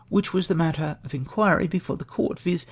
which Avas the matter of inquiry before the court, viz.